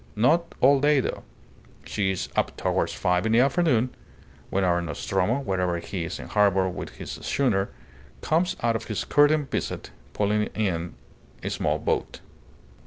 Not all day, though. She is up towards five in the afternoon, when our Nostromo, whenever he is in harbour with his schooner, comes out on his courting visit, pulling in a small boat."